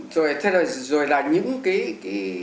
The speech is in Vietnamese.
rồi là những cái